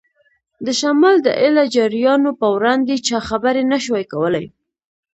د شمال د ایله جاریانو په وړاندې چا خبرې نه شوای کولای.